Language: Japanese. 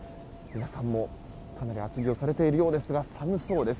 皆さんもかなり厚着をされているようですが寒そうです。